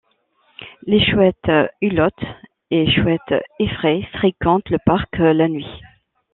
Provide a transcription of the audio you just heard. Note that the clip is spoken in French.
Les chouettes hulottes et chouettes effraies fréquentent le parc la nuit.